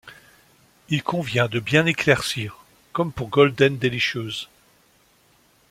Il convient de bien éclaircir comme pour Golden Delicious.